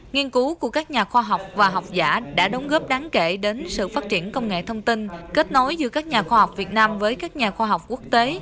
nghiên cứu của các nhà khoa học và học giả đã đóng góp đáng kể đến sự phát triển công nghệ thông tin kết nối giữa các nhà khoa học việt nam với các nhà khoa học quốc tế